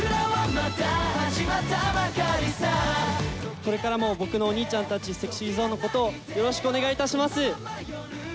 これからも僕のお兄ちゃんたち、ＳｅｘｙＺｏｎｅのことを、よろしくお願いいたします。